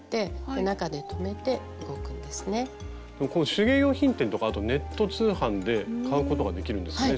手芸用品店とかあとネット通販で買うことができるんですよね